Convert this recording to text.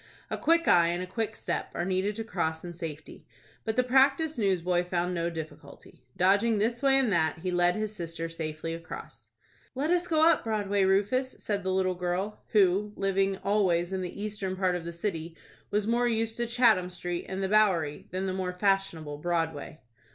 A quick eye and a quick step are needed to cross in safety. But the practised newsboy found no difficulty. Dodging this way and that, he led his sister safely across. "Let us go up Broadway, Rufus," said the little girl, who, living always in the eastern part of the city, was more used to Chatham Street and the Bowery than the more fashionable Broadway.